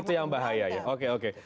itu yang bahaya ya oke oke